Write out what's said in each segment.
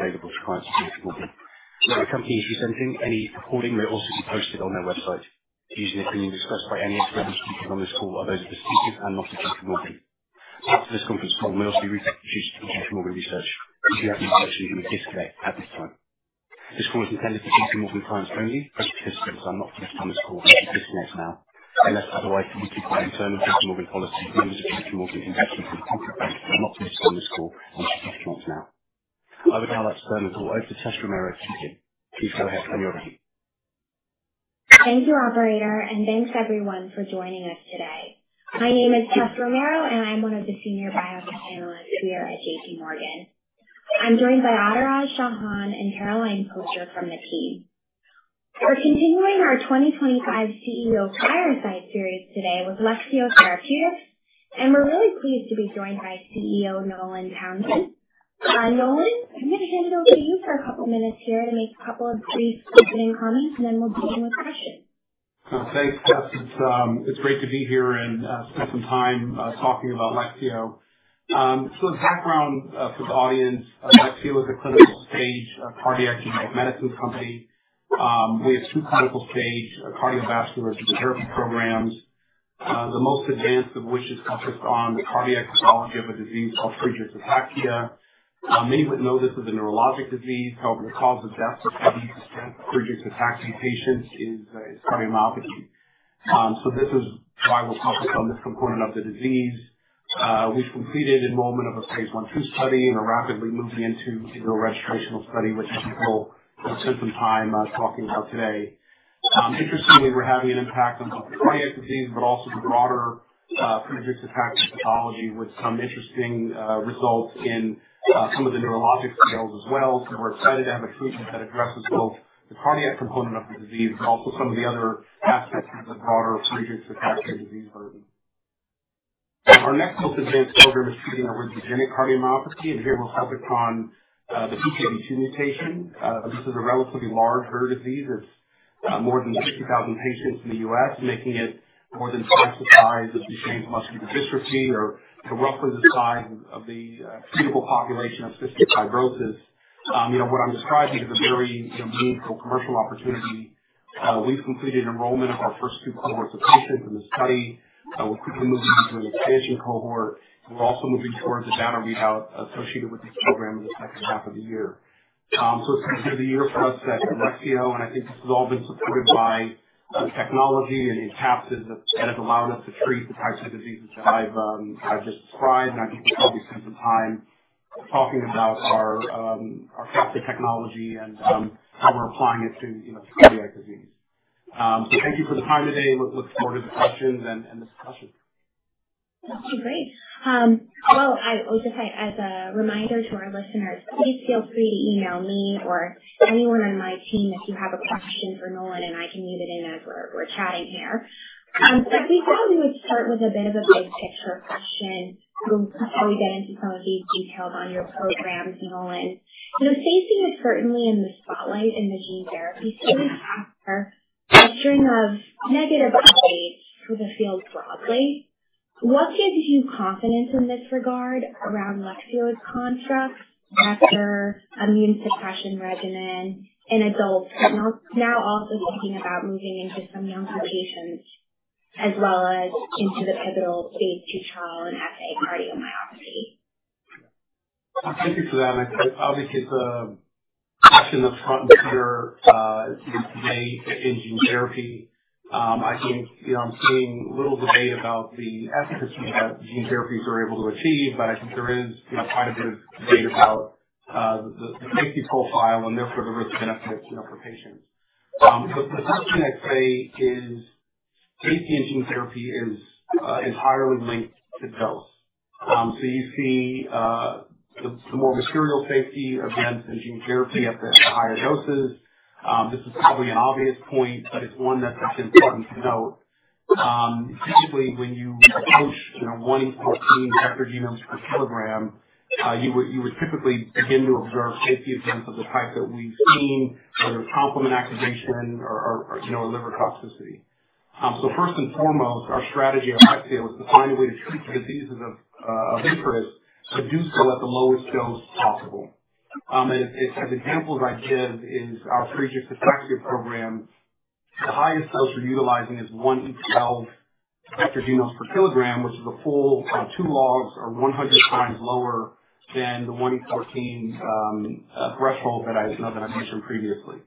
Okay, the voice requirements have been supported. Now, to complete the presenting, any recording may also be posted on their website. The opinions expressed by any experts speaking on this call are those of the speakers and not of Lexeo Therapeutics. After this conference call may also be reproduced to JPMorgan Research. If you have any questions, you may disconnect at this time. This call is intended for JPMorgan clients only. Other participants are not permitted on this call, and you may disconnect now unless otherwise permitted by internal JPMorgan policy. Members of JPMorgan International Group are not permitted on this call, and you may disconnect now. I would now like to turn the call over to Tessa Romero to begin. Please go ahead when you're ready. Thank you, Operator, and thanks everyone for joining us today. My name is Tess Romero, and I'm one of the senior biomedical analysts here at JPMorgan. I'm joined by Adiraj Shahan and Caroline Walker from the team. We're continuing our 2025 CEO fireside series today with Lexeo Therapeutics, and we're really pleased to be joined by CEO Nolan Townsend. Nolan, I'm going to hand it over to you for a couple of minutes here to make a couple of brief opening comments, and then we'll begin with questions. Thanks, Tess. It's great to be here and spend some time talking about Lexeo. As background for the audience, Lexeo is a clinical stage cardiac genetic medicine company. We have two clinical stage cardiovascular therapy programs, the most advanced of which is focused on the cardiac pathology of a disease called Friedreich's ataxia. Many would know this as a neurologic disease; however, the cause of death for Friedreich's ataxia patients is cardiomyopathy. This is why we're focused on this component of the disease. We've completed enrollment of a phase one study and are rapidly moving into a registrational study, which I think we'll spend some time talking about today. Interestingly, we're having an impact on both the cardiac disease but also the broader Friedreich's ataxia pathology with some interesting results in some of the neurologic scales as well. We're excited to have a treatment that addresses both the cardiac component of the disease but also some of the other aspects of the broader preexisting tachycardia disease burden. Our next most advanced program is treating arrhythmogenic cardiomyopathy, and here we're focused on the PKP2 mutation. This is a relatively large rare disease. It's more than 50,000 patients in the U.S., making it more than twice the size of the advanced muscular dystrophy or roughly the size of the treatable population of cystic fibrosis. What I'm describing is a very meaningful commercial opportunity. We've completed enrollment of our first two cohorts of patients in the study. We're quickly moving into an expansion cohort. We're also moving towards a data readout associated with this program in the second half of the year. It's going to be the year for us to excel, and I think this has all been supported by the technology and caps that have allowed us to treat the types of diseases that I've just described. I think we'll probably spend some time talking about our caps technology and how we're applying it to cardiac disease. Thank you for the time today, and we look forward to the questions and discussion. Okay, great. Just as a reminder to our listeners, please feel free to email me or anyone on my team if you have a question for Nolan, and I can mute it in as we're chatting here. We thought we would start with a bit of a big picture question before we get into some of these details on your programs, Nolan. Safety is certainly in the spotlight in the gene therapy space after a string of negative updates for the field broadly. What gives you confidence in this regard around Lexeo's construct after immune suppression regimen in adults, now also thinking about moving into some younger patients as well as into the pivotal phase two trial in FA cardiomyopathy? Specific to that, I think it's a question of front and center in gene therapy. I think I'm seeing little debate about the efficacy that gene therapies are able to achieve, but I think there is quite a bit of debate about the safety profile and therefore the risk-benefits for patients. The first thing I'd say is safety in gene therapy is entirely linked to dose. You see the more material safety against the gene therapy at the higher doses. This is probably an obvious point, but it's one that's important to note. Typically, when you approach 1E14 vector genomes per kilogram, you would typically begin to observe safety events of the type that we've seen, whether it's complement activation or liver toxicity. First and foremost, our strategy at Lexeo is to find a way to treat the diseases of interest, but do so at the lowest dose possible. As examples I give is our preexisting tachycardia program. The highest dose we're utilizing is 1.2E12 vector genomes per kilogram, which is a full two logs or 100x lower than the 1.0E14 threshold that I mentioned previously.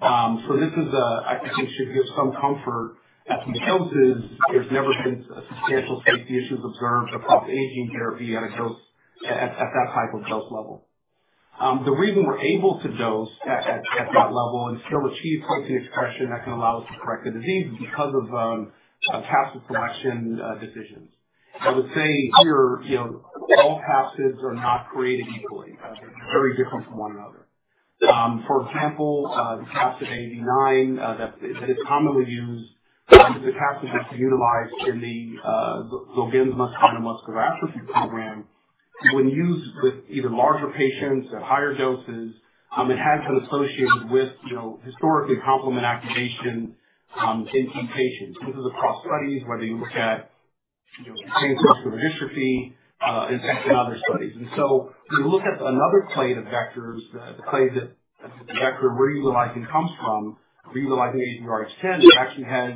I think this should give some comfort at the doses. There's never been substantial safety issues observed across gene therapy at that type of dose level. The reason we're able to dose at that level and still achieve protein expression that can allow us to correct the disease is because of capsid selection decisions. I would say here all capsids are not created equally. They're very different from one another. For example, the capsid AAV9 that is commonly used, it's a capsid that's utilized in the Zolgensma and the Muscular Atrophy Program. When used with either larger patients at higher doses, it has been associated with historically complement activation in these patients. This is across studies, whether you look at advanced muscular dystrophy and other studies. When you look at another clade of vectors, the clade that the vector we're utilizing comes from, we're utilizing AAVrh.10, it actually has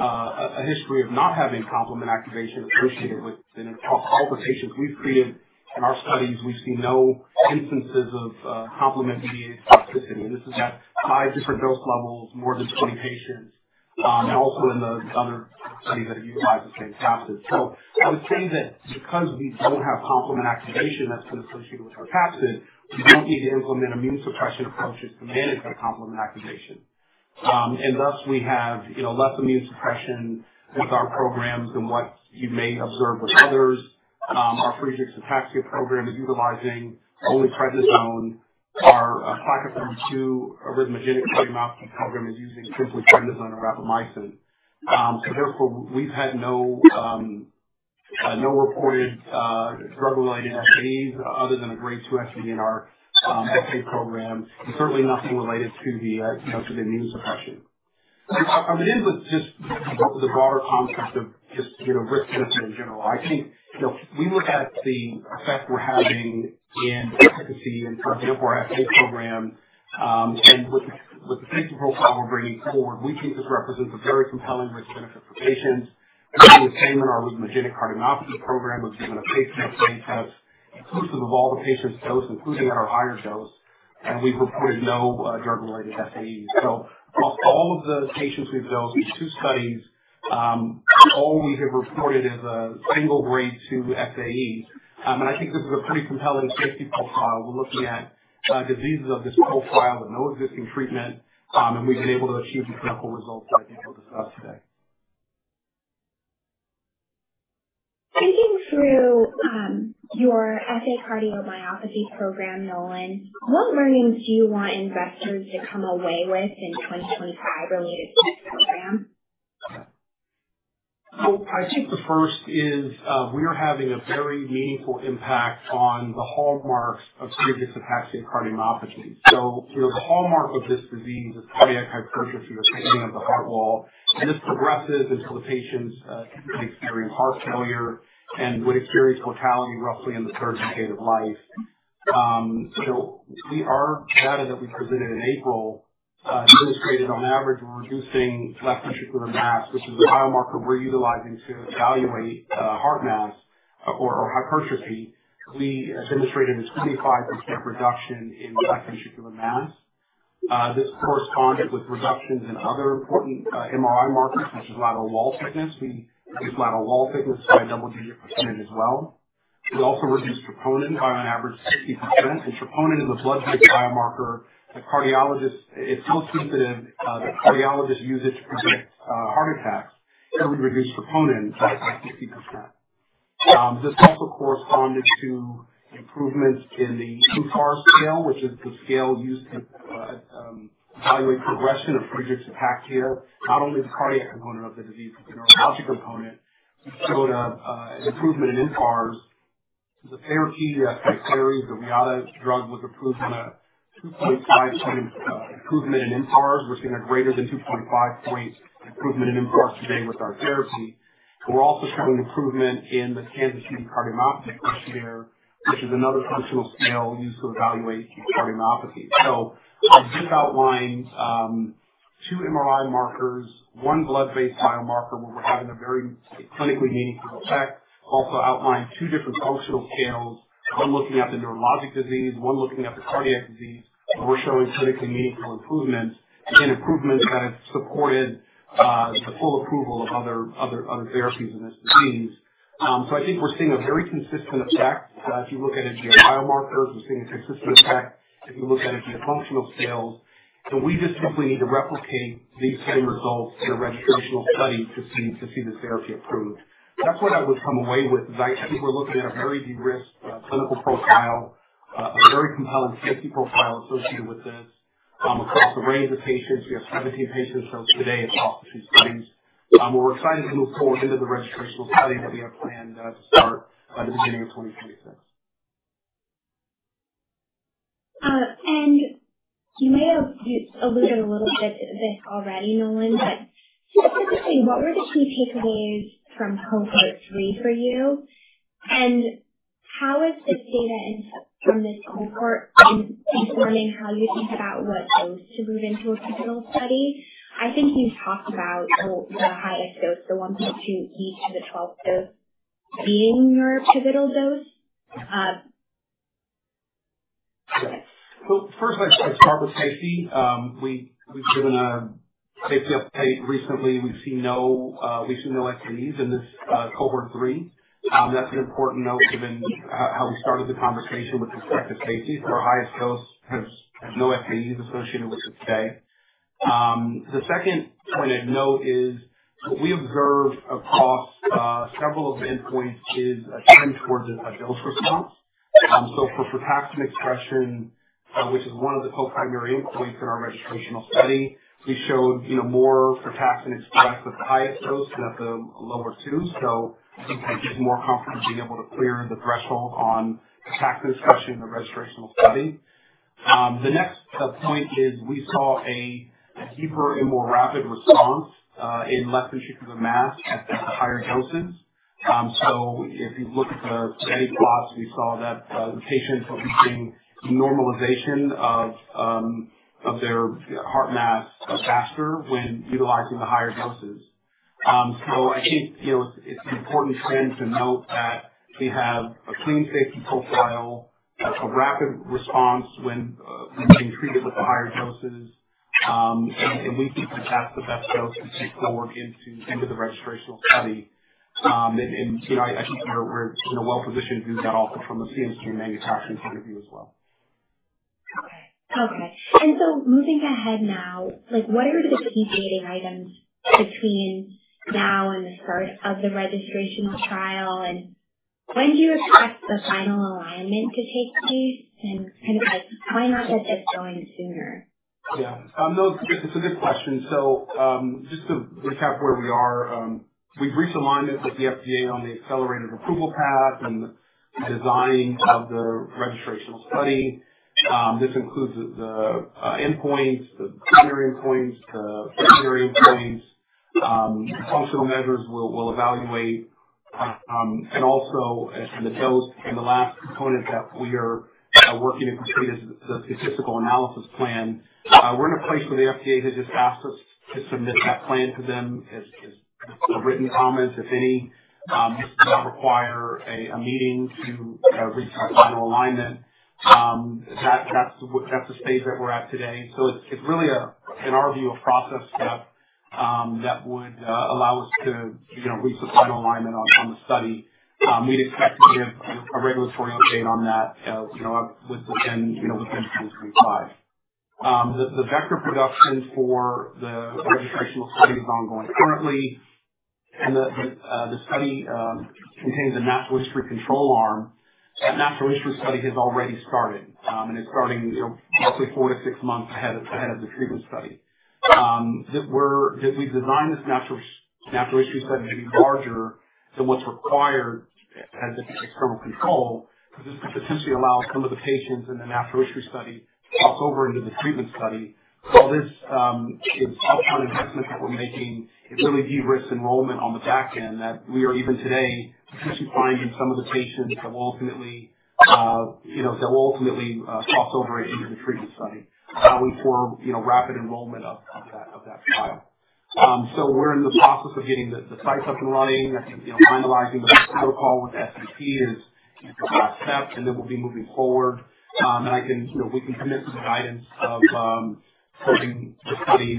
a history of not having complement activation associated with it. Across all the patients we've treated in our studies, we've seen no instances of complement-mediated toxicity. This is at five different dose levels, more than 20 patients, and also in the other studies that utilize the same capsid. I would say that because we do not have complement activation that has been associated with our capsid, we do not need to implement immune suppression approaches to manage that complement activation. Thus, we have less immune suppression with our programs than what you may observe with others. Our preexisting tachycardia program is utilizing only prednisone. Our PKP2 arrhythmogenic cardiomyopathy program is using simply prednisone and rapamycin. Therefore, we have had no reported drug-related SAEs other than a grade 2 SAE in our FA program, and certainly nothing related to the immune suppression. I am going to end with just the broader concept of just risk-benefit in general. I think we look at the effect we are having in efficacy and, for example, our FA program. With the safety profile we are bringing forward, we think this represents a very compelling risk-benefit for patients. We're doing the same in our arrhythmogenic cardiomyopathy program, which is in a phase two stage test inclusive of all the patients' dose, including at our higher dose. We've reported no drug-related SAEs. Across all of the patients we've dosed in two studies, all we have reported is a single grade 2 SAE. I think this is a pretty compelling safety profile. We're looking at diseases of this profile with no existing treatment, and we've been able to achieve the clinical results that I think we'll discuss today. Thinking through your FA cardiomyopathy program, Nolan, what learnings do you want investors to come away with in 2025 related to this program? I think the first is we are having a very meaningful impact on the hallmarks of preexisting tachycardia cardiomyopathy. The hallmark of this disease is cardiac hypertrophy, the thickening of the heart wall. This progresses until the patient experiences heart failure and would experience mortality roughly in the third decade of life. Our data that we presented in April demonstrated, on average, we're reducing left ventricular mass, which is a biomarker we're utilizing to evaluate heart mass or hypertrophy. We demonstrated a 25% reduction in left ventricular mass. This corresponded with reductions in other important MRI markers, which is lateral wall thickness. We use lateral wall thickness by a double-digit percentage as well. We also reduced troponin by an average of 60%. Troponin is a blood type biomarker that is so sensitive that cardiologists use it to predict heart attacks. We reduced troponin by 60%. This also corresponded to improvements in the FARS scale, which is the scale used to evaluate progression of preexisting ataxia, not only the cardiac component of the disease but the neurologic component. We showed an improvement in FARS. The therapy by Skyclarys, the omaveloxolone drug, was approved on a 2.5% improvement in FARS. We are seeing a greater than 2.5 point improvement in FARS today with our therapy. We are also showing improvement in the Kansas City Cardiomyopathy Questionnaire, which is another functional scale used to evaluate cardiomyopathy. This outlines two MRI markers, one blood-based biomarker where we are having a very clinically meaningful effect. It also outlines two different functional scales, one looking at the neurologic disease, one looking at the cardiac disease, but we are showing clinically meaningful improvements, again, improvements that have supported the full approval of other therapies in this disease. I think we're seeing a very consistent effect. If you look at it via biomarkers, we're seeing a consistent effect. If you look at it via functional scales, then we just simply need to replicate these same results in a registrational study to see the therapy approved. That's what I would come away with is I think we're looking at a very de-risked clinical profile, a very compelling safety profile associated with this. Across a range of patients, we have 17 patients dosed today across the two studies, and we're excited to move forward into the registrational study that we have planned to start by the beginning of 2026. You may have alluded a little bit to this already, Nolan, but specifically, what were the key takeaways from cohort three for you? How is this data from this cohort informing how you think about what dose to move into a pivotal study? I think you have talked about the highest dose, the 1.2E12 dose being your pivotal dose. First, I'd start with safety. We've given a safety update recently. We've seen no SAEs in this cohort three. That's an important note given how we started the conversation with respect to safety. Our highest dose has no SAEs associated with it today. The second point I'd note is what we observed across several of the endpoints is a trend towards a dose response. For frataxin expression, which is one of the co-primary endpoints in our registrational study, we showed more frataxin expressed at the highest dose than at the lower two. I think it's more comfortable being able to clear the threshold on frataxin expression in the registrational study. The next point is we saw a deeper and more rapid response in left ventricular mass at the higher doses. If you look at the study plots, we saw that the patients were reaching normalization of their heart mass faster when utilizing the higher doses. I think it's an important trend to note that we have a clean safety profile, a rapid response when we've been treated with the higher doses, and we think that that's the best dose to take forward into the registrational study. I think we're well-positioned to do that also from a CMC manufacturing point of view as well. Okay. Okay. Moving ahead now, what are the key dating items between now and the start of the registrational trial? When do you expect the final alignment to take place? Kind of why not get this going sooner? Yeah. No, it's a good question. Just to recap where we are, we've reached alignment with the FDA on the accelerated approval path and the design of the registrational study. This includes the endpoints, the primary endpoints, the secondary endpoints, functional measures we'll evaluate. Also the dose, and the last component that we are working to complete is the statistical analysis plan. We're in a place where the FDA has just asked us to submit that plan to them as a written comment, if any. This does not require a meeting to reach that final alignment. That's the stage that we're at today. It's really, in our view, a process step that would allow us to reach the final alignment on the study. We'd expect to give a regulatory update on that within 2025. The vector production for the registrational study is ongoing currently, and the study contains a natural history control arm. That natural history study has already started, and it's starting roughly four to six months ahead of the treatment study. We've designed this natural history study to be larger than what's required as external control because this could potentially allow some of the patients in the natural history study to cross over into the treatment study. This is upfront investment that we're making. It really de-risked enrollment on the back end that we are even today potentially finding some of the patients that will ultimately cross over into the treatment study, allowing for rapid enrollment of that trial. We're in the process of getting the sites up and running. I think finalizing the protocol with SVP is the last step, and then we'll be moving forward. We can commit to the guidance of closing the study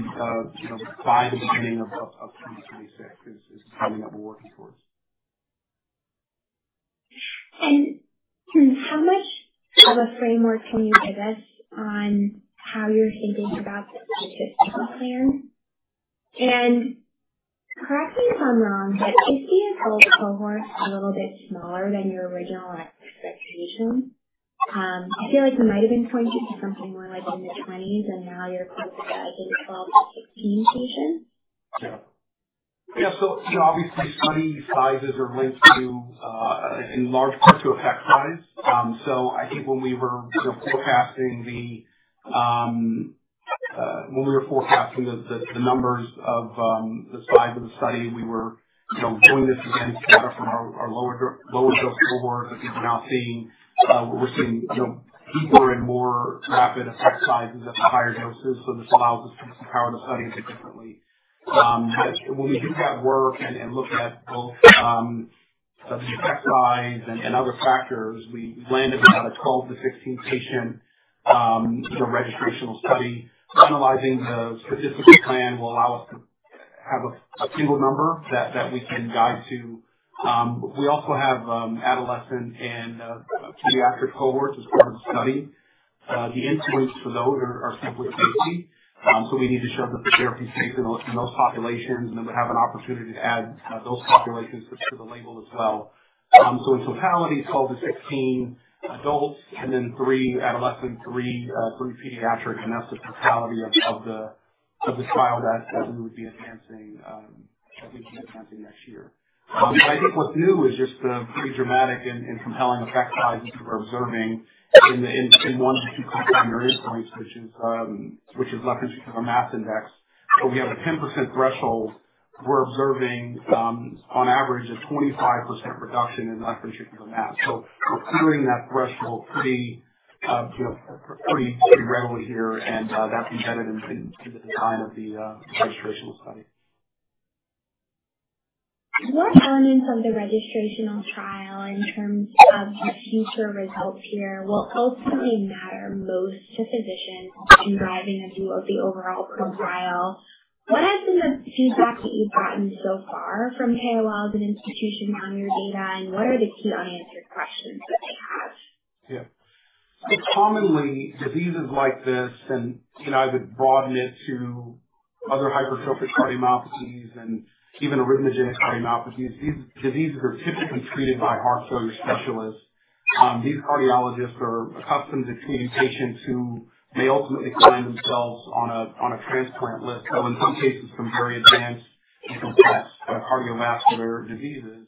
by the beginning of 2026. That is the timing that we're working towards. How much of a framework can you give us on how you're thinking about the statistical plan? Correct me if I'm wrong, but is the adult cohort a little bit smaller than your original expectation? I feel like we might have been pointing to something more like in the 20s, and now you're closer to like a 12-16 patient. Yeah. Yeah. Obviously, study sizes are linked to, in large part, effect size. I think when we were forecasting the numbers of the size of the study, we were doing this against data from our lower dose cohort that we were now seeing. We're seeing deeper and more rapid effect sizes at the higher doses. This allows us to power the study a bit differently. When we do that work and look at both the effect size and other factors, we landed at a 12-16 patient registrational study. Finalizing the statistical plan will allow us to have a single number that we can guide to. We also have adolescent and pediatric cohorts as part of the study. The influence for those are simply safety. We need to show that the therapy's safe in those populations, and then we'll have an opportunity to add those populations to the label as well. In totality, 12-16 adults, and then three adolescent, three pediatric, and that's the totality of the trial that we would be advancing next year. I think what's new is just the pretty dramatic and compelling effect sizes that we're observing in one of the two co-primary endpoints, which is left ventricular mass index. We have a 10% threshold. We're observing, on average, a 25% reduction in left ventricular mass. We're clearing that threshold pretty readily here, and that's embedded in the design of the registrational study. What elements of the registrational trial, in terms of the future results here, will ultimately matter most to physicians in driving a view of the overall profile? What has been the feedback that you've gotten so far from KOLs and institutions on your data, and what are the key unanswered questions that they have? Yeah. Commonly, diseases like this, and I would broaden it to other hypertrophic cardiomyopathies and even arrhythmogenic cardiomyopathies, these diseases are typically treated by heart failure specialists. These cardiologists are accustomed to treating patients who may ultimately find themselves on a transplant list, so in some cases, some very advanced and complex cardiovascular diseases.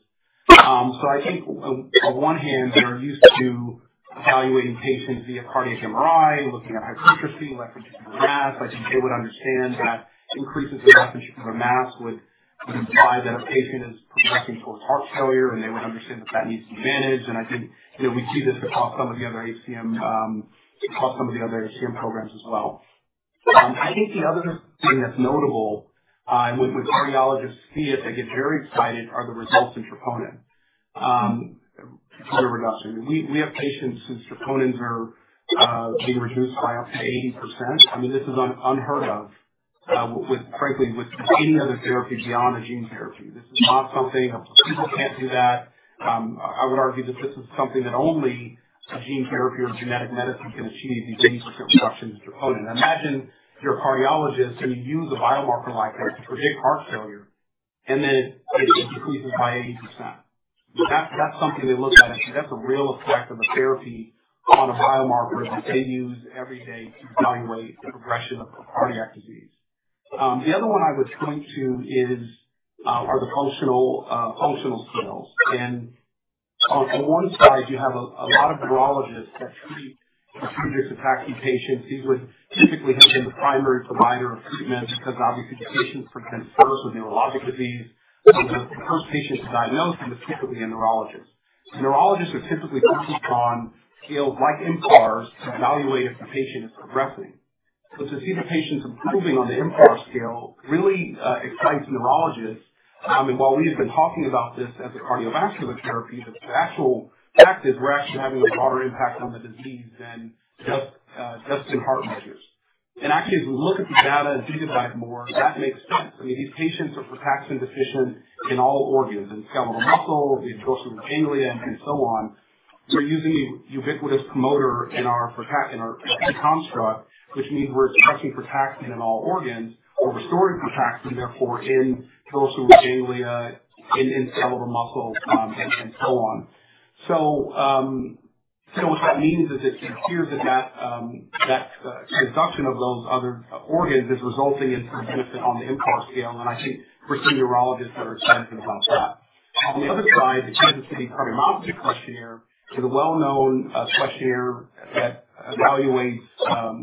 I think, on one hand, they're used to evaluating patients via cardiac MRI and looking at hypertrophy, left ventricular mass. I think they would understand that increases in left ventricular mass would imply that a patient is progressing towards heart failure, and they would understand that that needs to be managed. I think we see this across some of the other HCM programs as well. The other thing that's notable, and when cardiologists see it, they get very excited, are the results in troponin reduction. We have patients whose troponins are being reduced by up to 80%. I mean, this is unheard of, frankly, with any other therapy beyond a gene therapy. This is not something a procedure can't do. I would argue that this is something that only a gene therapy or genetic medicine can achieve, these 80% reductions in troponin. Imagine you're a cardiologist, and you use a biomarker like this to predict heart failure, and then it decreases by 80%. That's something they look at. I think that's a real effect of a therapy on a biomarker that they use every day to evaluate the progression of cardiac disease. The other one I would point to are the functional scales. On one side, you have a lot of neurologists that treat Friedreich's ataxia patients. These would typically have been the primary provider of treatment because, obviously, the patients present first with neurologic disease. The first patient to diagnose them is typically a neurologist. Neurologists are typically focused on scales like FARS to evaluate if the patient is progressing. To see the patients improving on the FARS scale really excites neurologists. I mean, while we have been talking about this as a cardiovascular therapy, the actual fact is we are actually having a broader impact on the disease than just in heart measures. I mean, as we look at the data and digify it more, that makes sense. These patients are frataxin deficient in all organs, in skeletal muscle, in dorsal ganglia, and so on. We are using a ubiquitous promoter in our frataxin construct, which means we are expressing frataxin in all organs. We're restoring protection, therefore, in dorsal ganglia, in skeletal muscle, and so on. What that means is it appears that that reduction of those other organs is resulting in some benefit on the FARS scale, and I think we're seeing neurologists that are excited about that. On the other side, the Kansas City Cardiomyopathy Questionnaire is a well-known questionnaire that evaluates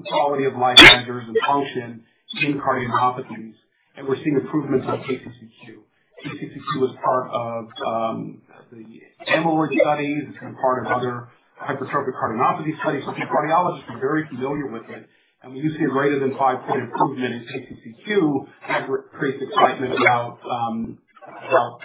quality of life measures and function in cardiomyopathies, and we're seeing improvements on KCCQ. KCCQ was part of the amyloid studies. It's been part of other hypertrophic cardiomyopathy studies, so I think cardiologists are very familiar with it. When you see a greater than 5-point improvement in KCCQ, that creates excitement about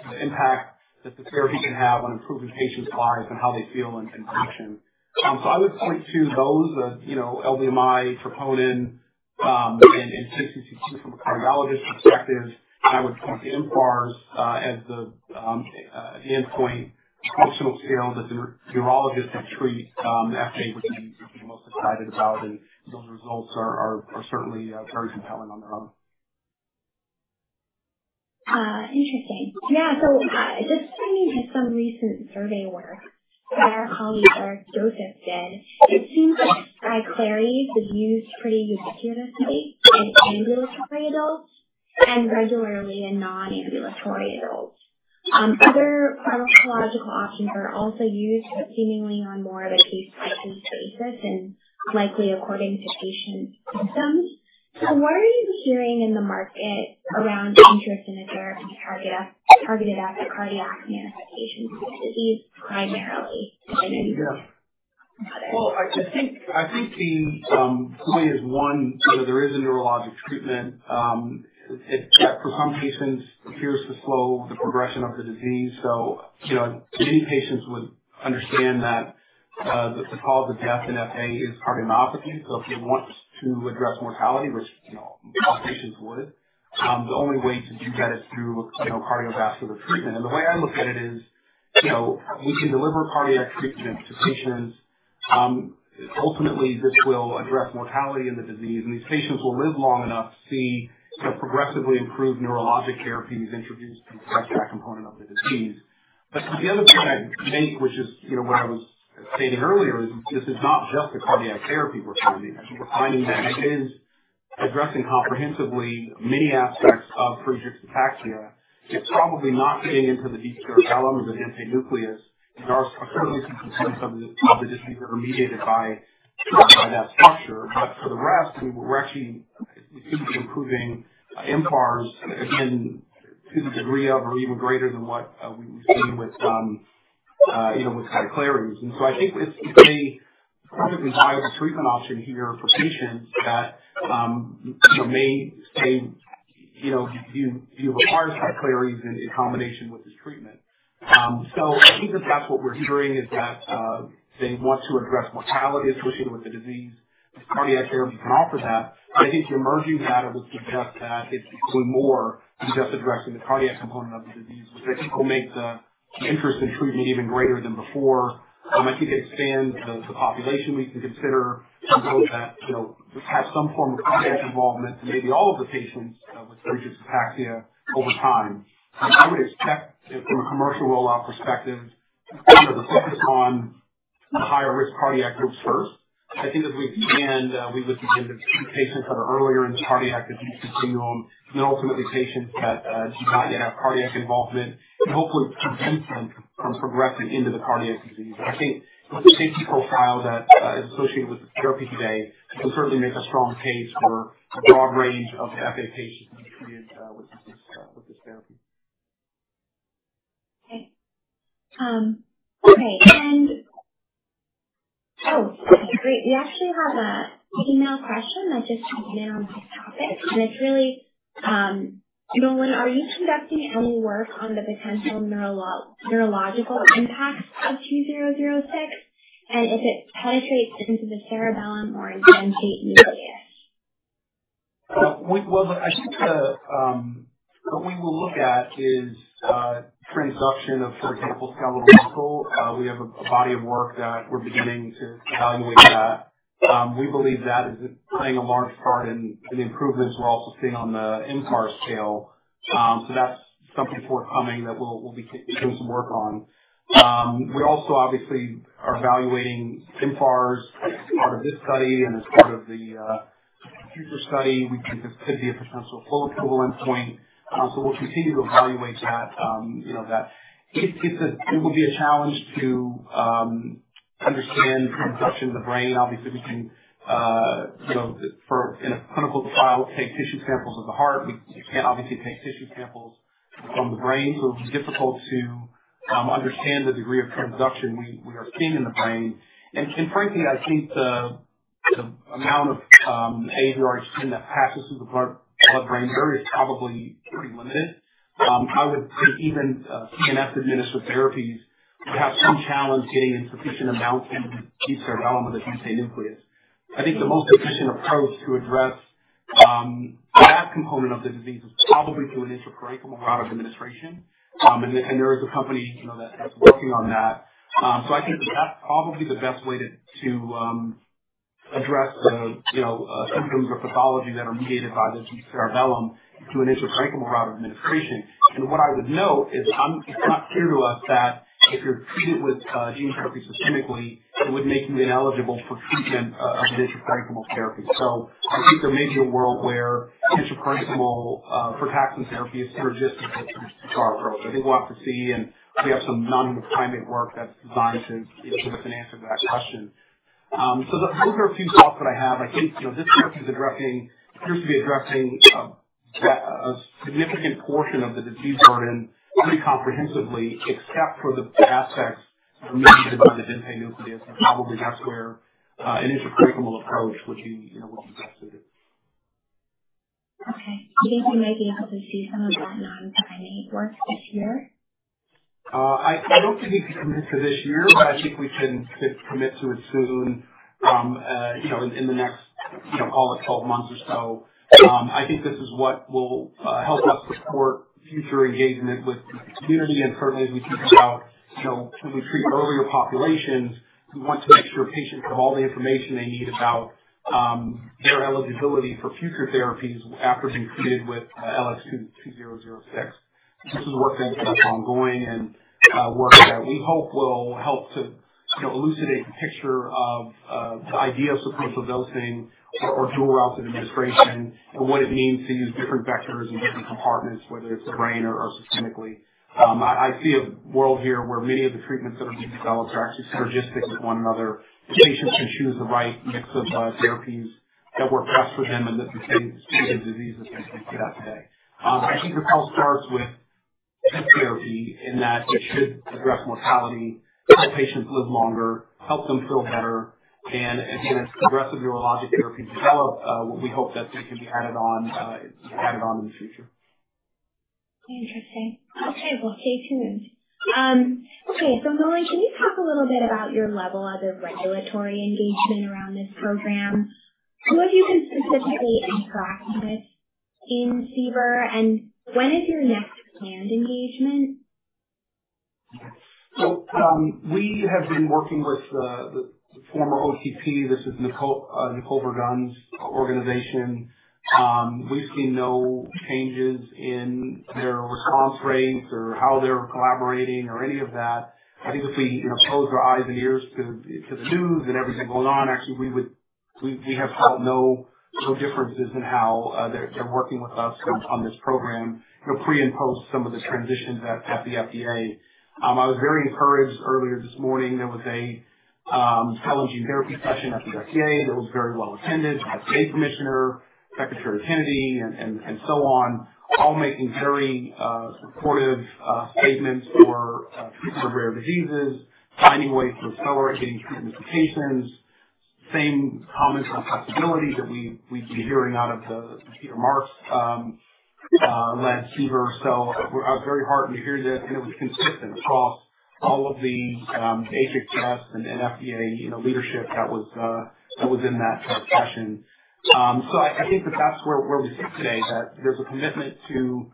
the impact that the therapy can have on improving patients' lives and how they feel and function. I would point to those, LVMI, troponin, and KCCQ from a cardiologist perspective. I would point to FARS as the endpoint functional scale that the neurologists have treated, and FDA would be most excited about. Those results are certainly very compelling on their own. Interesting. Yeah. This study has some recent survey work that our colleague, Eric Joseph, did. It seems like SKYCLARYS was used pretty ubiquitously in ambulatory adults and regularly in non-ambulatory adults. Other pharmacological options are also used, but seemingly on more of a case-by-case basis and likely according to patient symptoms. What are you hearing in the market around interest in a therapy targeted at the cardiac manifestations of the disease primarily? I know you heard from others. I think the point is, one, there is a neurologic treatment that for some patients appears to slow the progression of the disease. Many patients would understand that the cause of death in FA is cardiomyopathy. If you want to address mortality, which most patients would, the only way to do that is through cardiovascular treatment. The way I look at it is we can deliver cardiac treatment to patients. Ultimately, this will address mortality in the disease, and these patients will live long enough to see progressively improved neurologic therapies introduced to address that component of the disease. The other point I make, which is what I was stating earlier, is this is not just the cardiac therapy we're finding. I think we're finding that it is addressing comprehensively many aspects of Friedreich's ataxia. It's probably not getting into the deep cerebellum or the dentate nucleus. There are certainly some components of the disease that are mediated by that structure. For the rest, we're actually seemingly improving in FARS, again, to the degree of or even greater than what we've seen with SKYCLARYS. I think it's a perfectly viable treatment option here for patients that may say, "Do you require SKYCLARYS in combination with this treatment?" I think that that's what we're hearing, is that they want to address mortality associated with the disease. Cardiac therapy can offer that. I think the emerging data would suggest that it's doing more than just addressing the cardiac component of the disease, which I think will make the interest in treatment even greater than before. I think it expands the population we can consider and that have some form of cardiac involvement to maybe all of the patients with Friedreich's ataxia over time. I would expect, from a commercial rollout perspective, the focus on the higher-risk cardiac groups first. I think as we expand, we would begin to treat patients that are earlier in the cardiac disease continuum, and then ultimately patients that do not yet have cardiac involvement, and hopefully prevent them from progressing into the cardiac disease. I think the safety profile that is associated with the therapy today can certainly make a strong case for a broad range of FA patients being treated with this therapy. Okay. Okay. Oh, great. We actually have an email question that just came in on my topic, and it's really, "Nolan, are you conducting any work on the potential neurological impacts of LX2006 and if it penetrates into the cerebellum or dentate nucleus? I think what we will look at is transduction of, for example, skeletal muscle. We have a body of work that we're beginning to evaluate that. We believe that is playing a large part in the improvements we're also seeing on the FARS scale. That's something forthcoming that we'll be doing some work on. We also, obviously, are evaluating FARS as part of this study and as part of the future study. We think this could be a potential full equivalent point. We'll continue to evaluate that. It will be a challenge to understand transduction in the brain. Obviously, we can, in a clinical trial, take tissue samples of the heart. We can't, obviously, take tissue samples from the brain. It'll be difficult to understand the degree of transduction we are seeing in the brain. Frankly, I think the amount of AAVrh.10 that passes through the blood-brain barrier is probably pretty limited. I would say even CNS-administered therapies would have some challenge getting in sufficient amounts into the deep cerebellum or the dentate nucleus. I think the most efficient approach to address that component of the disease is probably through an intraparenchymal route of administration. There is a company that's working on that. I think that that's probably the best way to address the symptoms or pathology that are mediated by the deep cerebellum through an intraparenchymal route of administration. What I would note is it's not clear to us that if you're treated with gene therapy systemically, it would make you ineligible for treatment of an intraparenchymal therapy. I think there may be a world where intraparenchymal protection therapy is synergistic with protrusive scar growth. I think we'll have to see, and we have some non-human primate work that's designed to give us an answer to that question. Those are a few thoughts that I have. I think this therapy appears to be addressing a significant portion of the disease burden pretty comprehensively, except for the aspects that are mediated by the dentate nucleus. Probably that's where an intraparenchymal approach would be best suited. Okay. Do you think you might be able to see some of that non-primate work this year? I do not think we can commit to this year, but I think we can commit to it soon in the next, call it, 12 months or so. I think this is what will help us support future engagement with the community. Certainly, as we think about when we treat earlier populations, we want to make sure patients have all the information they need about their eligibility for future therapies after being treated with LX2006. This is work that is ongoing and work that we hope will help to elucidate the picture of the idea of sequential dosing or dual routes of administration and what it means to use different vectors and different compartments, whether it is the brain or systemically. I see a world here where many of the treatments that are being developed are actually synergistic with one another. The patients can choose the right mix of therapies that work best for them and that sustain the disease that they see today. I think this all starts with this therapy in that it should address mortality, help patients live longer, help them feel better. Again, as progressive neurologic therapies develop, we hope that they can be added on in the future. Interesting. Okay. Stay tuned. Okay. Nolan, can you talk a little bit about your level of regulatory engagement around this program? Who have you been specifically interacting with in CBER, and when is your next planned engagement? We have been working with the former OTP. This is Nicole Verdon's organization. We've seen no changes in their response rates or how they're collaborating or any of that. I think if we close our eyes and ears to the news and everything going on, actually, we have felt no differences in how they're working with us on this program, pre and post some of the transitions at the FDA. I was very encouraged earlier this morning. There was a telegene therapy session at the FDA that was very well attended by the state commissioner, Secretary Kennedy, and so on, all making very supportive statements for rare diseases, finding ways to accelerate getting treatment to patients. Same comments on flexibility that we've been hearing out of the Peter Marks-led CBER. I was very heartened to hear that, and it was consistent across all of the basic tests and FDA leadership that was in that session. I think that that's where we sit today, that there's a commitment to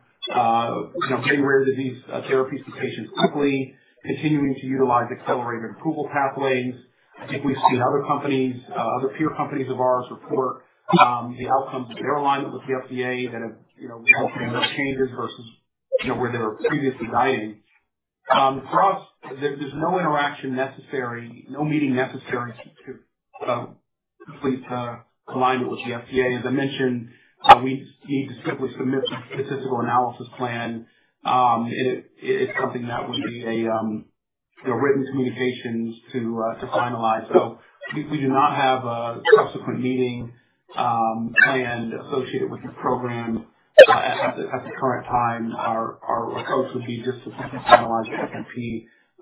getting rare disease therapies to patients quickly, continuing to utilize accelerated approval pathways. I think we've seen other companies, other peer companies of ours, report the outcomes of their alignment with the FDA that have resulted in those changes versus where they were previously guiding. For us, there's no interaction necessary, no meeting necessary to complete alignment with the FDA. As I mentioned, we need to simply submit the statistical analysis plan, and it's something that would be a written communication to finalize. We do not have a subsequent meeting planned associated with this program at the current time. Our approach would be just to finalize the SAP,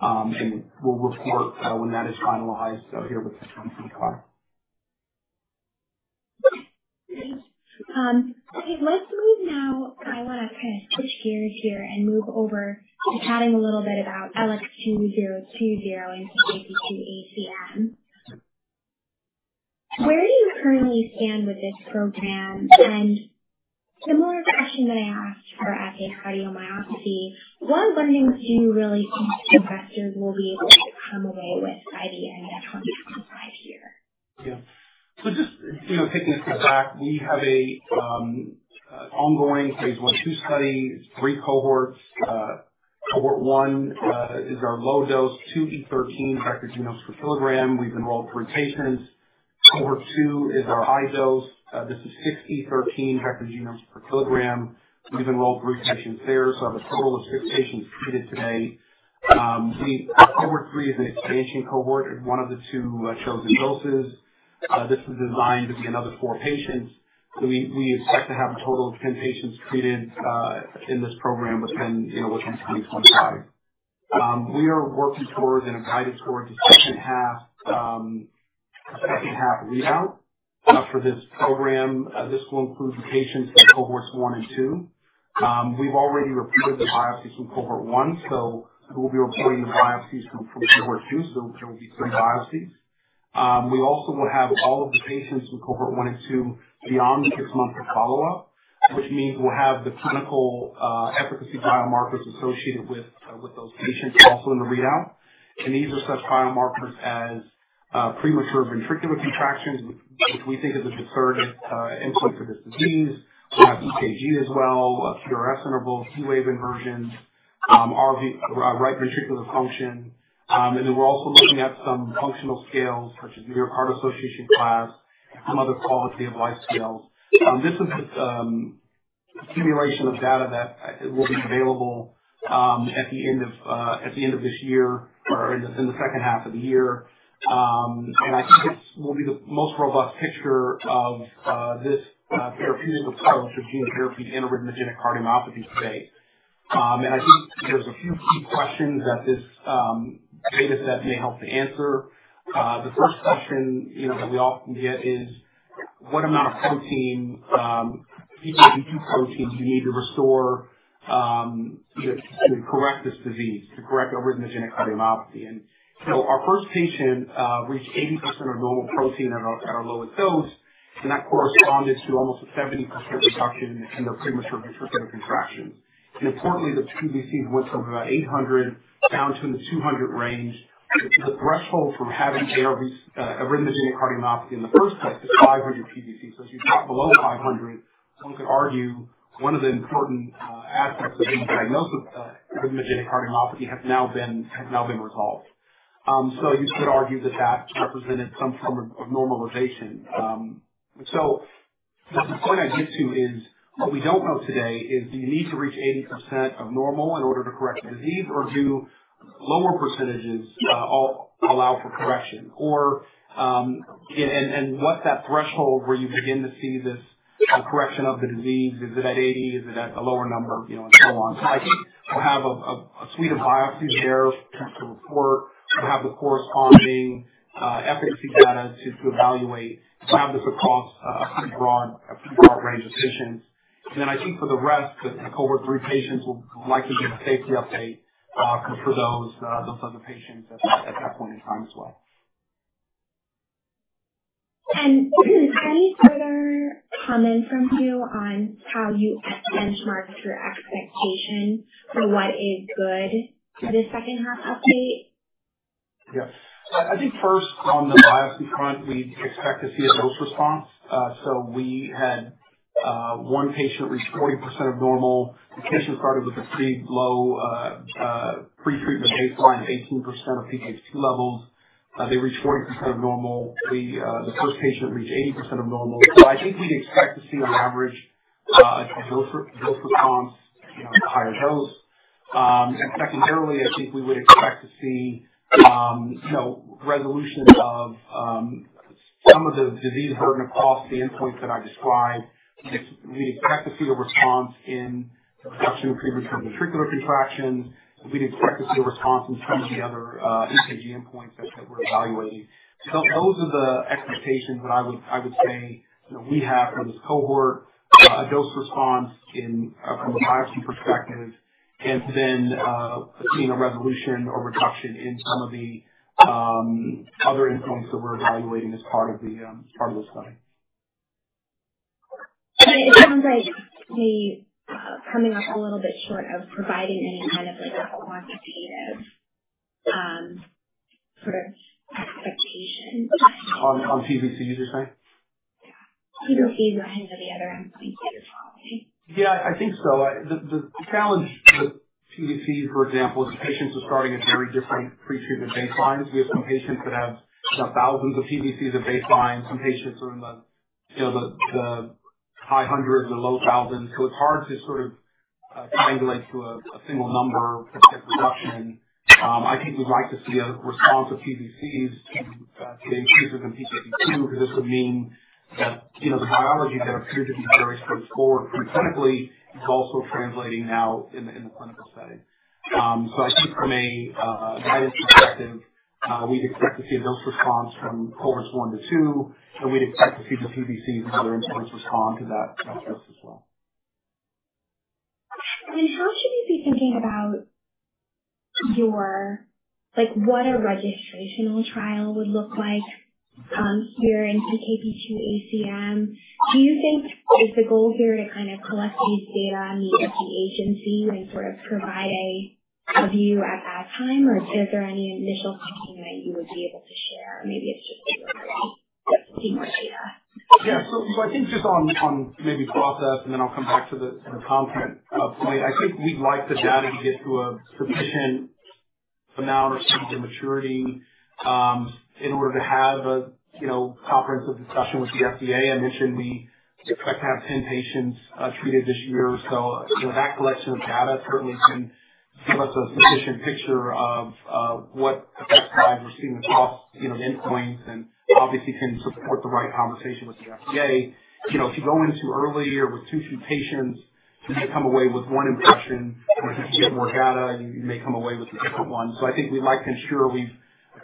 and we'll report when that is finalized here with the CBER CAR-T. Great. Okay. Let's move now. I want to kind of switch gears here and move over to chatting a little bit about LX2020 and PKP2 ACM. Where do you currently stand with this program? And similar question that I asked for FA cardiomyopathy, what learnings do you really think investors will be able to come away with by the end of 2025 here? Yeah. So just taking a step back, we have an ongoing phase I-II study. It's three cohorts. Cohort I is our low-dose 2E13 vector genomes per kilogram. We've enrolled three patients. Cohort II is our high-dose. This is 6E13 vector genomes per kilogram. We've enrolled three patients there. So the total of six patients treated to date. Cohort III is an expansion cohort. It's one of the two chosen doses. This is designed to be another four patients. We expect to have a total of 10 patients treated in this program within 2025. We are working towards and are guided towards a second-half readout for this program. This will include patients in cohorts I and II. We've already reported the biopsies from cohort I, so we'll be reporting the biopsies from cohort II. There will be three biopsies. We also will have all of the patients from cohort I and II beyond six months of follow-up, which means we'll have the clinical efficacy biomarkers associated with those patients also in the readout. These are such biomarkers as premature ventricular contractions, which we think is a discerned endpoint for this disease. We'll have EKG as well, QRS intervals, T-wave inversions, right ventricular function. We are also looking at some functional scales such as New York Heart Association Class and some other quality of life scales. This is a simulation of data that will be available at the end of this year or in the second half of the year. I think this will be the most robust picture of this therapeutic approach of gene therapy and arrhythmogenic cardiomyopathy today. I think there's a few key questions that this dataset may help to answer. The first question that we often get is, "What amount of PKP2 protein do you need to restore to correct this disease, to correct arrhythmogenic cardiomyopathy?" Our first patient reached 80% of normal protein at our lowest dose, and that corresponded to almost a 70% reduction in their premature ventricular contractions. Importantly, the PVCs went from about 800 down to the 200 range. The threshold for having arrhythmogenic cardiomyopathy in the first place is 500 PVCs. If you drop below 500, one could argue one of the important aspects of being diagnosed with arrhythmogenic cardiomyopathy has now been resolved. You could argue that that represented some form of normalization. The point I get to is what we do not know today is, do you need to reach 80% of normal in order to correct the disease, or do lower percentages allow for correction? What is that threshold where you begin to see this correction of the disease? Is it at 80? Is it at a lower number? And so on. I think we will have a suite of biopsies there to report. We will have the corresponding efficacy data to evaluate. We will have this across a pretty broad range of patients. I think for the rest, the cohort III patients will likely get a safety update for those other patients at that point in time as well. Do you have any further comments on how you benchmarked your expectation for what is good for the second-half update? Yeah. I think first, on the biopsy front, we expect to see a dose response. We had one patient reach 40% of normal. The patient started with a pretty low pretreatment baseline of 18% of PKP2 levels. They reached 40% of normal. The first patient reached 80% of normal. I think we'd expect to see, on average, a dose response at the higher dose. Secondarily, I think we would expect to see resolution of some of the disease burden across the endpoints that I described. We'd expect to see a response in reduction of premature ventricular contractions. We'd expect to see a response in some of the other EKG endpoints that we're evaluating. Those are the expectations that I would say we have for this cohort: a dose response from a biopsy perspective, and then seeing a resolution or reduction in some of the other endpoints that we're evaluating as part of this study. It sounds like we're coming up a little bit short of providing any kind of quantitative sort of expectation. On PVCs, you're saying? Yeah. PVCs and the other endpoints that you're following. Yeah, I think so. The challenge with PVCs, for example, is patients are starting at very different pretreatment baselines. We have some patients that have thousands of PVCs at baseline. Some patients are in the high hundreds or low thousands. It's hard to sort of triangulate to a single number for prediction. I think we'd like to see a response of PVCs to the increase of them PVC II because this would mean that the biology that appeared to be very straightforward preclinically is also translating now in the clinical setting. I think from a guidance perspective, we'd expect to see a dose response from cohorts I to II. We'd expect to see the PVCs and other endpoints respond to that risk as well. How should we be thinking about what a registrational trial would look like here in PKP2 ACM? Do you think the goal here is to kind of collect these data and meet with the agency and sort of provide a view at that time, or is there any initial thinking that you would be able to share? Maybe it's just to see more data. Yeah. I think just on maybe process, and then I'll come back to the content point. I think we'd like the data to get to a sufficient amount or stage of maturity in order to have a comprehensive discussion with the FDA. I mentioned we expect to have 10 patients treated this year. That collection of data certainly can give us a sufficient picture of what effect lines we're seeing across the endpoints and obviously can support the right conversation with the FDA. If you go in earlier with too few patients, you may come away with one impression. If you get more data, you may come away with a different one. I think we'd like to ensure we've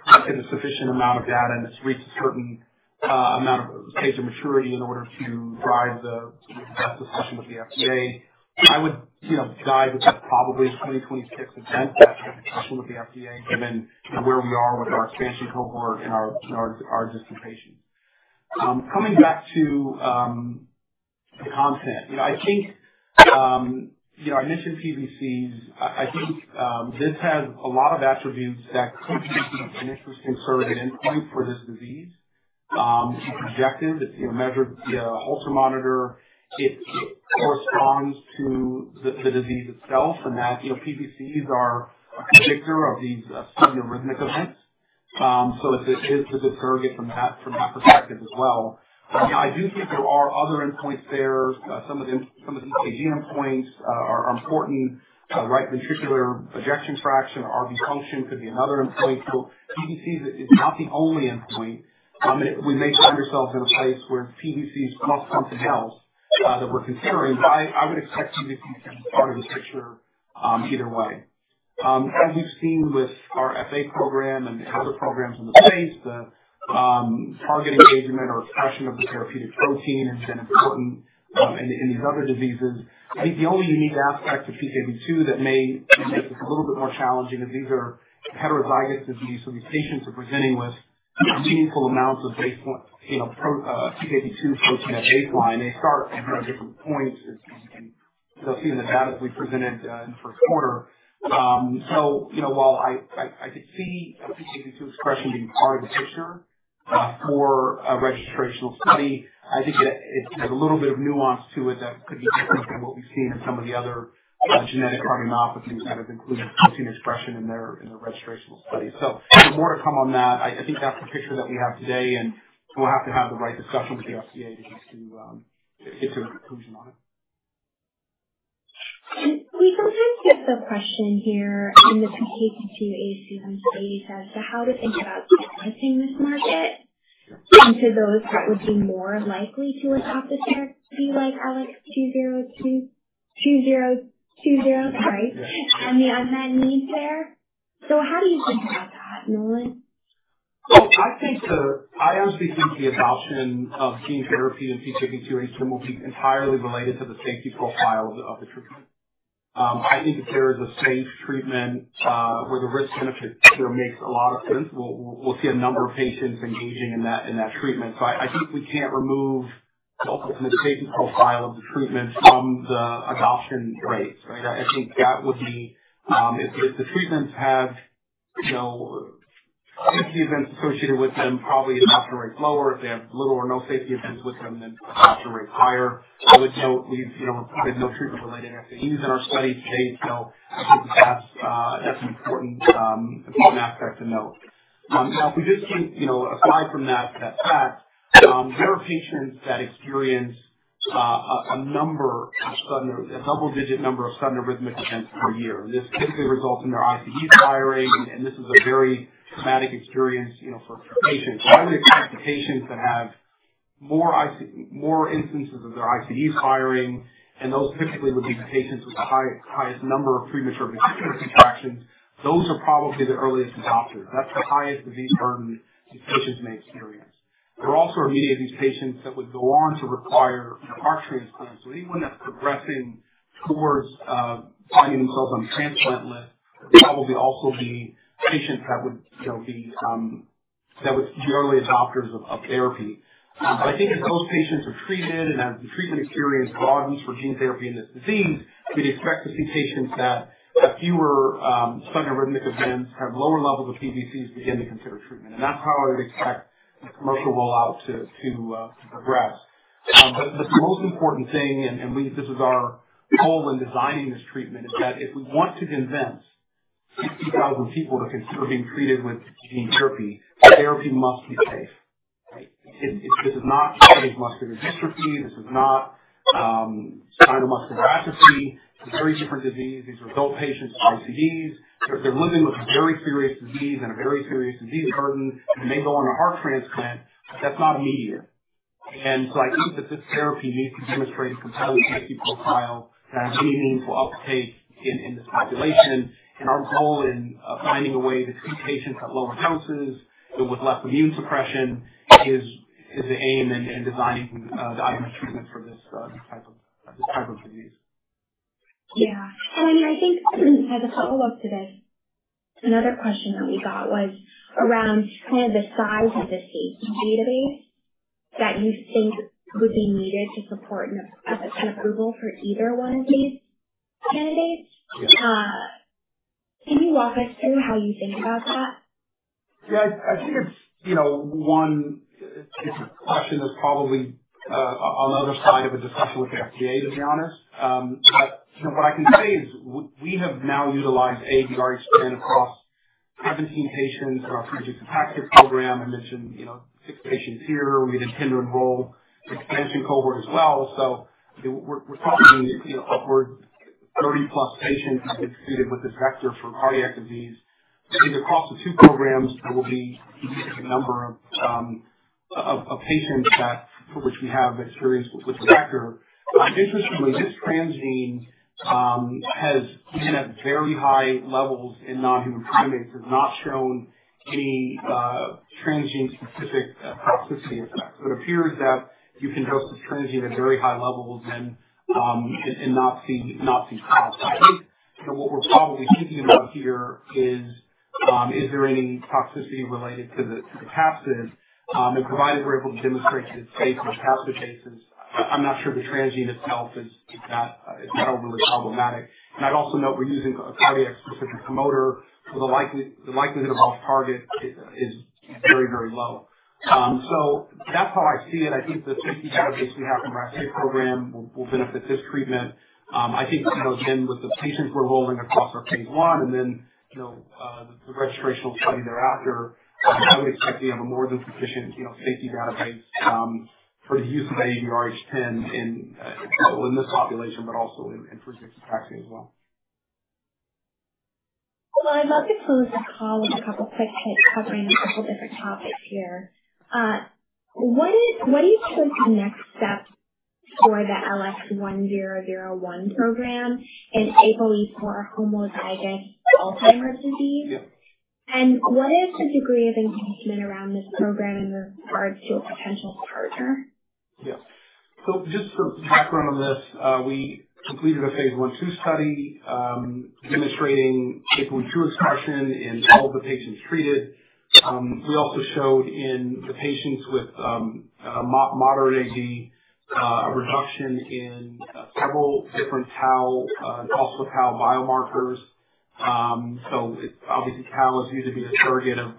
collected a sufficient amount of data and it's reached a certain amount of stage of maturity in order to drive the best discussion with the FDA. I would guide that that's probably a 2026 event, that discussion with the FDA, given where we are with our expansion cohort and our distant patients. Coming back to the content, I think I mentioned PVCs. I think this has a lot of attributes that could be an interesting surrogate endpoint for this disease. It's projective. It's measured via Holter monitor. It corresponds to the disease itself in that PVCs are a predictor of these sudden arrhythmic events. It is a good surrogate from that perspective as well. I do think there are other endpoints there. Some of the EKG endpoints are important: right ventricular ejection fraction, RV function could be another endpoint. PVCs is not the only endpoint. We may find ourselves in a place where PVCs plus something else that we're considering. I would expect PVCs to be part of the picture either way. As we've seen with our FA program and other programs in the space, the target engagement or expression of the therapeutic protein has been important in these other diseases. I think the only unique aspect of PKP2 that may make this a little bit more challenging is these are heterozygous diseases. So these patients are presenting with meaningful amounts of PKP2 protein at baseline. They start at different points. You'll see in the data that we presented in the first quarter. While I could see PKP2 expression being part of the picture for a registrational study, I think there's a little bit of nuance to it that could be different than what we've seen in some of the other genetic cardiomyopathy that have included protein expression in their registrational studies. More to come on that. I think that's the picture that we have today, and we'll have to have the right discussion with the FDA to get to a conclusion on it. We sometimes get the question here in the PKP2 ACM studies as to how to think about segmenting this market into those that would be more likely to adopt this therapy like LX2020, right, and the unmet needs there. How do you think about that, Nolan? I honestly think the adoption of gene therapy in PKP2 ACM will be entirely related to the safety profile of the treatment. I think if there is a safe treatment where the risk-benefit makes a lot of sense, we'll see a number of patients engaging in that treatment. I think we can't remove the ultimate safety profile of the treatment from the adoption rates, right? I think that would be if the treatments have safety events associated with them, probably adoption rate's lower. If they have little or no safety events with them, then adoption rate's higher. I would note we've reported no treatment-related SAEs in our study to date. I think that's an important aspect to note. Now, if we just think aside from that fact, there are patients that experience a double-digit number of sudden arrhythmic events per year. This typically results in their ICDs firing, and this is a very traumatic experience for patients. I would expect the patients that have more instances of their ICDs firing, and those typically would be the patients with the highest number of premature ventricular contractions. Those are probably the earliest adopters. That is the highest disease burden these patients may experience. There also are many of these patients that would go on to require heart transplants. Anyone that is progressing towards finding themselves on the transplant list would probably also be patients that would be the early adopters of therapy. I think as those patients are treated and as the treatment experience broadens for gene therapy in this disease, we would expect to see patients that have fewer sudden arrhythmic events, have lower levels of PVCs, begin to consider treatment. That is how I would expect the commercial rollout to progress. The most important thing, and this is our goal in designing this treatment, is that if we want to convince 60,000 people to consider being treated with gene therapy, the therapy must be safe, right? This is not Duchenne muscular dystrophy. This is not spinal muscular atrophy. It is a very different disease. These are adult patients with ICDs. They are living with a very serious disease and a very serious disease burden. They may go on a heart transplant, but that is not immediate. I think that this therapy needs to demonstrate a compelling safety profile that has any means to uptake in this population. Our goal in finding a way to treat patients at lower doses with less immune suppression is the aim in designing the ideal treatment for this type of disease. Yeah. I mean, I think as a follow-up to this, another question that we got was around kind of the size of the safety database that you think would be needed to support an approval for either one of these candidates. Can you walk us through how you think about that? Yeah. I think it's one, it's a question that's probably on the other side of a discussion with the FDA, to be honest. But what I can say is we have now utilized AAVrh.10 across 17 patients in our pre-adjunctive practice program. I mentioned six patients here. We did intend to enroll the expansion cohort as well. So we're talking upward of 30-plus patients who've been treated with this vector for cardiac disease. I think across the two programs, there will be a number of patients for which we have experience with the vector. Interestingly, this transgene has been at very high levels in nonhuman primates. It has not shown any transgene-specific toxicity effects. So it appears that you can dose this transgene at very high levels and not see problems. I think what we're probably thinking about here is, is there any toxicity related to the capsid? Provided we're able to demonstrate that it's safe on the capsid basis, I'm not sure the transgene itself is that overly problematic. I'd also note we're using a cardiac-specific promoter, so the likelihood of off-target is very, very low. That's how I see it. I think the safety database we have from our FDA program will benefit this treatment. I think, again, with the patients we're enrolling across our phase one and then the registrational study thereafter, I would expect to have a more than sufficient safety database for the use of AAVrh.10 in this population, but also in pre-adjunctive practice as well. I'd love to close the call with a couple of quick take covering a couple of different topics here. What do you think is the next step for the LX1001 program in APOE4 homozygous for Alzheimer's disease? What is the degree of engagement around this program in regards to a potential partner? Yeah. Just the background on this, we completed a phase one two study demonstrating APOE2 expression in all of the patients treated. We also showed in the patients with moderate AD a reduction in several different TAU and also TAU biomarkers. Obviously, TAU is viewed to be a surrogate of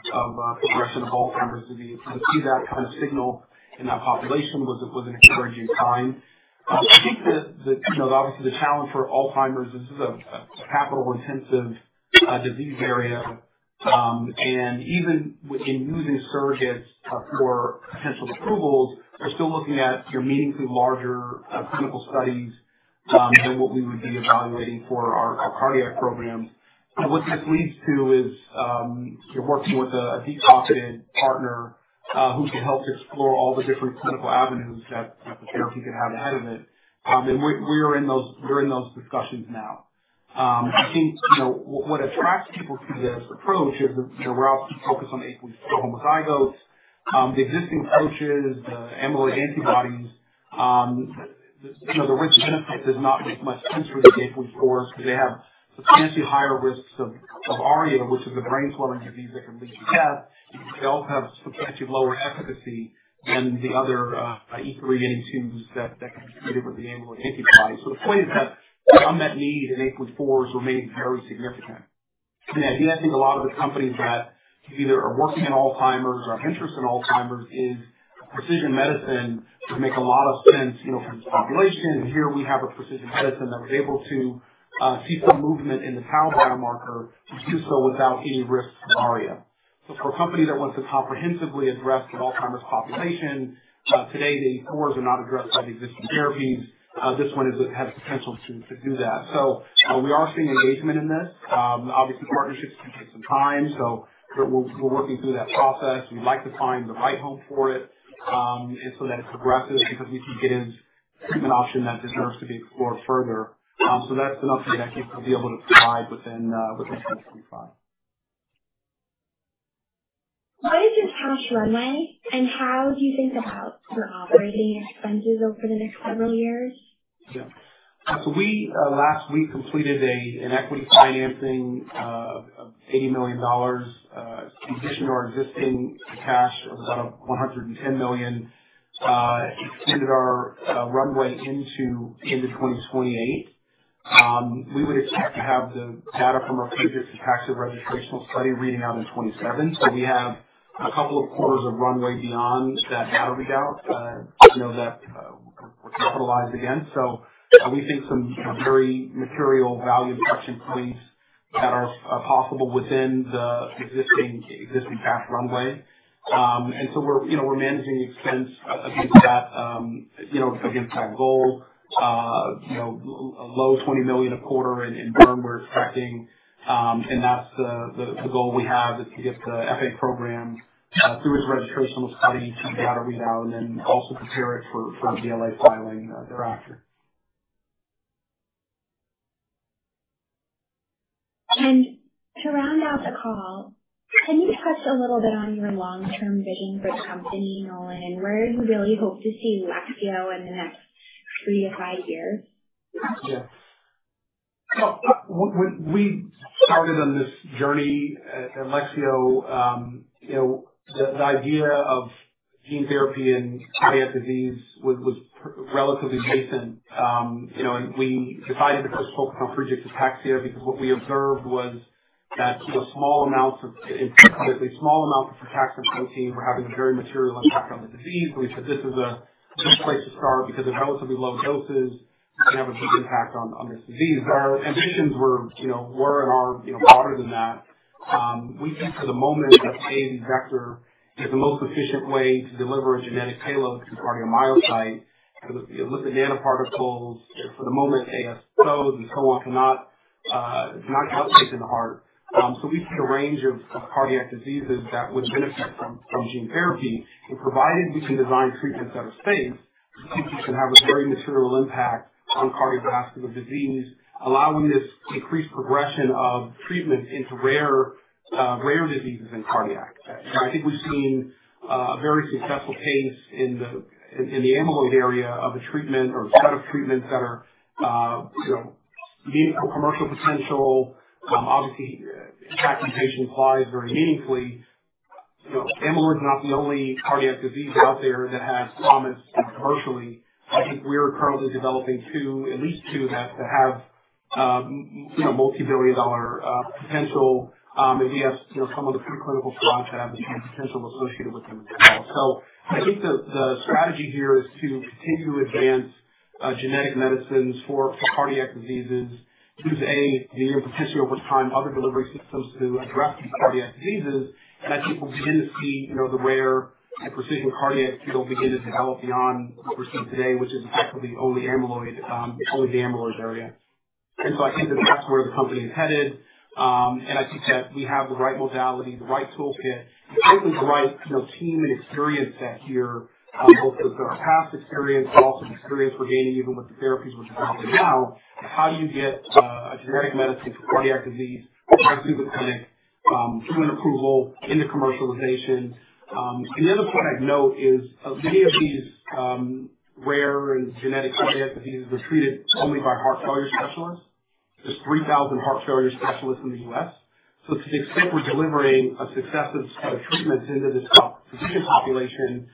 progression of Alzheimer's disease. To see that kind of signal in that population was an encouraging sign. I think that obviously the challenge for Alzheimer's is this is a capital-intensive disease area. Even in using surrogates for potential approvals, we're still looking at meaningfully larger clinical studies than what we would be evaluating for our cardiac programs. What this leads to is you're working with a deep-octane partner who can help to explore all the different clinical avenues that the therapy could have ahead of it. We're in those discussions now. I think what attracts people to this approach is we're obviously focused on APOE4 homozygotes. The existing approaches, the amyloid antibodies, the risk-benefit does not make much sense for the APOE4s because they have substantially higher risks of ARIA, which is a brain-swelling disease that can lead to death. They also have substantially lower efficacy than the other E382s that can be treated with the amyloid antibodies. The point is that the unmet need in APOE4s remains very significant. The idea, I think, a lot of the companies that either are working in Alzheimer's or have interest in Alzheimer's is precision medicine would make a lot of sense for this population. Here we have a precision medicine that was able to see some movement in the TAU biomarker and do so without any risk for ARIA. For a company that wants to comprehensively address the Alzheimer's population, today the APOE4s are not addressed by the existing therapies. This one has the potential to do that. We are seeing engagement in this. Obviously, partnerships can take some time. We are working through that process. We would like to find the right home for it so that it is progressive because we think it is a treatment option that deserves to be explored further. That is enough that I think we will be able to provide within 2025. What is your cash runway, and how do you think about your operating expenses over the next several years? Yeah. So we last week completed an equity financing of $80 million. We additioned our existing cash of about $110 million. Extended our runway into 2028. We would expect to have the data from our pre-adjunctive practice registrational study reading out in 2027. We have a couple of quarters of runway beyond that data readout that we're capitalized against. We think some very material value-inflection points that are possible within the existing cash runway. We're managing expense against that goal, a low $20 million a quarter in burn we're expecting. That's the goal we have is to get the FA program through its registrational study, see the data readout, and then also prepare it for the BLA filing thereafter. To round out the call, can you touch a little bit on your long-term vision for the company, Nolan? Where do you really hope to see Lexeo in the next three to five years? Yeah. When we started on this journey at Lexeo, the idea of gene therapy in cardiac disease was relatively nascent. We decided to first focus on pre-adjunctive practice because what we observed was that small amounts of protecting protein were having a very material impact on the disease. We said, "This is a good place to start because at relatively low doses, you can have a big impact on this disease." Our ambitions were and are broader than that. We think for the moment that the AAV vector is the most efficient way to deliver a genetic payload to the cardiomyocyte because the elliptic nanoparticles for the moment, ASOs and so on, it's not calculated in the heart. We see a range of cardiac diseases that would benefit from gene therapy. Provided we can design treatments that are safe, we think we can have a very material impact on cardiovascular disease, allowing this increased progression of treatment into rare diseases in cardiac. I think we've seen a very successful case in the amyloid area of a treatment or a set of treatments that are meaningful commercial potential, obviously impacting patient lives very meaningfully. Amyloid is not the only cardiac disease out there that has promise commercially. I think we're currently developing at least two that have multi-billion dollar potential. We have some of the preclinical trials that have the same potential associated with them as well. I think the strategy here is to continue to advance genetic medicines for cardiac diseases, use AAV potentially over time, other delivery systems to address these cardiac diseases. I think we'll begin to see the rare precision cardiac field begin to develop beyond what we're seeing today, which is effectively only the amyloid area. I think that that's where the company is headed. I think that we have the right modality, the right toolkit, and frankly, the right team and experience set here, both with our past experience, but also the experience we're gaining even with the therapies we're developing now. How do you get a genetic medicine for cardiac disease right through the clinic, through an approval, into commercialization? The other point I'd note is many of these rare and genetic cardiac diseases are treated only by heart failure specialists. There's 3,000 heart failure specialists in the US. To the extent we're delivering a successive set of treatments into this precision population,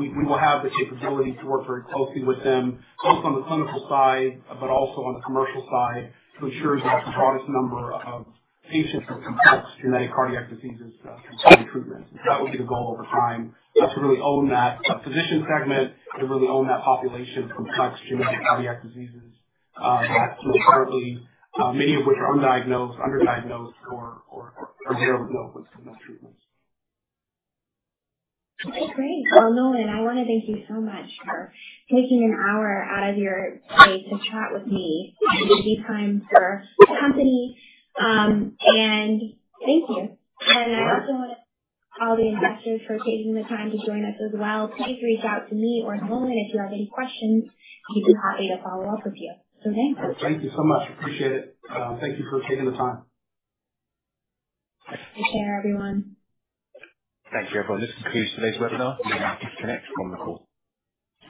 we will have the capability to work very closely with them both on the clinical side but also on the commercial side to ensure that the broadest number of patients with complex genetic cardiac diseases can find treatment. That would be the goal over time to really own that physician segment and to really own that population of complex genetic cardiac diseases that currently, many of which are undiagnosed, underdiagnosed, or there are no treatments. Okay. Great. Nolan, I want to thank you so much for taking an hour out of your day to chat with me. This is a time for the company. Thank you. I also want to thank all the investors for taking the time to join us as well. Please reach out to me or Nolan if you have any questions. We'd be happy to follow up with you. Thanks. Thank you so much. Appreciate it. Thank you for taking the time. Take care, everyone. Thanks, everyone. This concludes today's webinar. You may now disconnect from the call.